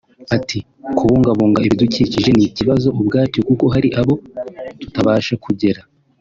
Ati “Kubungabunga ibidukikije ni ikibazo ubwabyo kuko hari aho tutabasha kugera